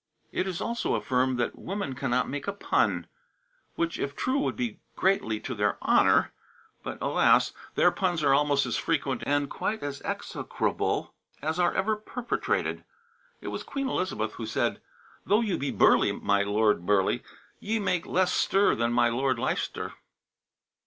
It is also affirmed that "women cannot make a pun," which, if true, would be greatly to their honor. But, alas! their puns are almost as frequent and quite as execrable as are ever perpetrated. It was Queen Elizabeth who said: "Though ye be burly, my Lord Burleigh, ye make less stir than my Lord Leicester."